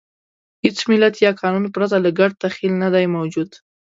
هېڅ ملت یا قانون پرته له ګډ تخیل نهدی موجود.